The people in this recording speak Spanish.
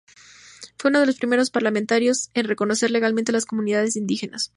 Fue uno de los primeros parlamentarios en reconocer legalmente a las comunidades de indígenas.